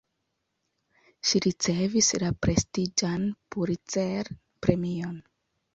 Ŝi ricevis la prestiĝan Pulitzer-premion.